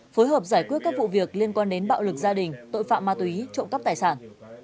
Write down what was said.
phối hợp giải quyết các vụ việc liên quan đến bạo lực gia đình tội phạm ma túy trộm cắp tài sản